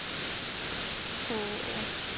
普伦罗伊特是德国巴伐利亚州的一个市镇。